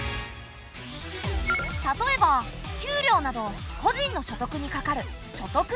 例えば給料など個人の所得にかかる所得税。